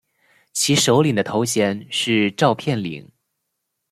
其首领的头衔是召片领。